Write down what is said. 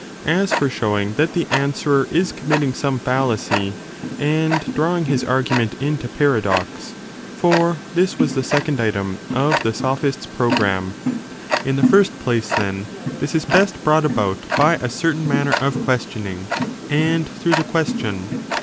As for show ing that the answerer is committing some fallacy, and 10 drawing his argument into paradox for this was the second item of the sophist s programme 2 in the first place, then, this is best brought about by a certain manner of questioning and through the question.